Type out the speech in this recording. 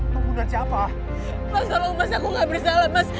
mas tolong mas aku gak bersalah